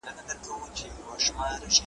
د مور کافي استراحت د کور فضا ښه کوي.